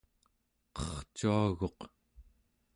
qercuaguq